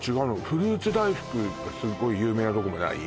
フルーツ大福がすっごい有名なとこもない？